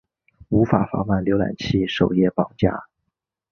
无法防范浏览器首页绑架。